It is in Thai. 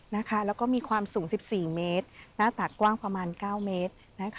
แล้วก็มีความสูง๑๔เมตรหน้าตักกว้างประมาณ๙เมตรนะคะ